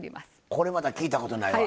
これまた聞いたことないわ。